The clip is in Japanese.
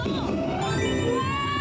うわ！